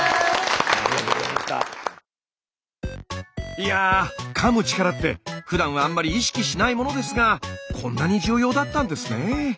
いやかむ力ってふだんはあんまり意識しないものですがこんなに重要だったんですね。